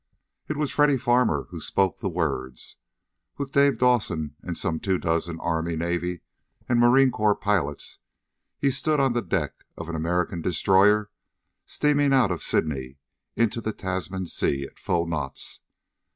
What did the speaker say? It was Freddy Farmer who spoke the words. With Dave Dawson, and some two dozen Army, Navy, and Marine Corps pilots, he stood on the deck of an American destroyer steaming out of Sydney into the Tasman Sea at full knots.